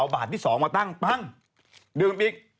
ปุ๊บเด็กอ้วกเลย